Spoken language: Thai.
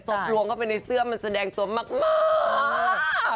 ลวงเข้าไปในเสื้อมันแสดงตัวมาก